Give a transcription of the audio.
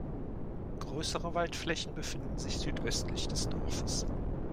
Größere Waldflächen befinden sich südöstlich des Dorfes.